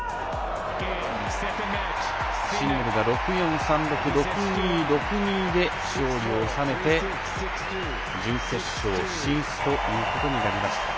シンネルが６−４、３−６６−２、６−２で勝利を収めて準決勝進出となりました。